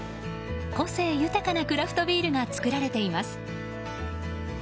個性豊かなクラフトビールが作られています。